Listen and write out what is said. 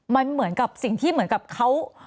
มันเหมือนกับสิ่งที่เหมือนกับเขา